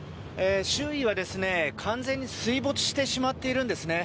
周囲は完全に水没してしまっているんですね。